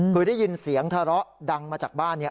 คือได้ยินเสียงทะเลาะดังมาจากบ้าน